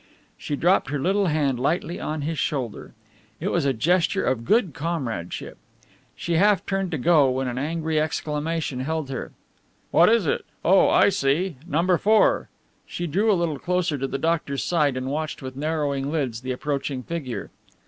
She dropped her little hand lightly on his shoulder. It was a gesture of good comradeship. She half turned to go when an angry exclamation held her. "What is it? Oh, I see No. 4!" She drew a little closer to the doctor's side and watched with narrowing lids the approaching figure.